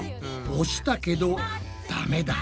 おしたけどダメだ。